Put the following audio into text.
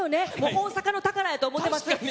大阪の宝やと思ってます。